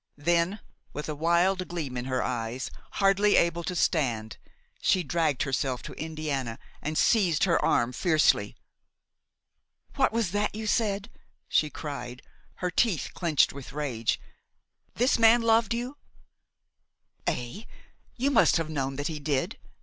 Then, with a wild gleam in her eyes, hardly able to stand, she dragged herself to Indiana and seized her arm fiercely. "What was that you said?" she cried, her teeth clenched with rage; "this man loved you?" ""Eh! you must have known that he did!"